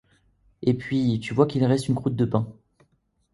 Et puis, tu vois qu'il reste une croûte de pain.